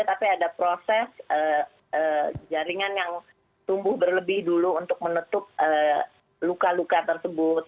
tapi ada proses jaringan yang tumbuh berlebih dulu untuk menutup luka luka tersebut